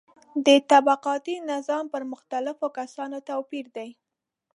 د طبقاتي نظام پر مختلفو کسانو توپیر دی.